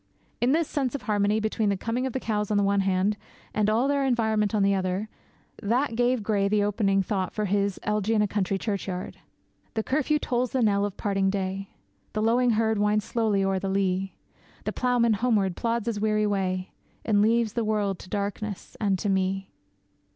It is this sense of harmony between the coming of the cows on the one hand, and all their environment on the other, that gave Gray the opening thought for his 'Elegy in a Country Churchyard': The curfew tolls the knell of parting day, The lowing herd winds slowly o'er the lea, The ploughman homeward plods his weary way, And leaves the world to darkness and to me.